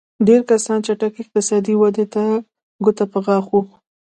ډېری کسان چټکې اقتصادي ودې ته ګوته په غاښ وو.